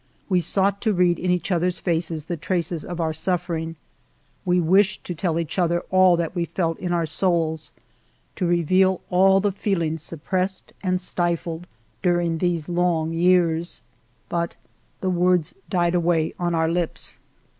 We sought to read in each other's faces the traces of our suffering, we wished to tell each other all that we felt in our souls, to reveal all the feelings suppressed and stifled during these long years ; but the words died away on our lips.